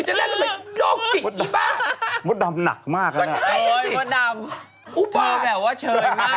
เชยมากเลยฮะ